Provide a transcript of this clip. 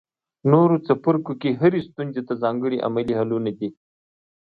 نورو څپرکو کې هرې ستونزې ته ځانګړي عملي حلونه دي.